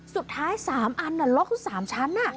สุดท้าย๓อันน่ะล็อกทั้ง๓ชั้นน่ะ